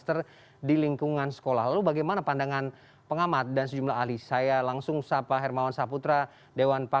terima kasih anda masih bersama cnn indonesia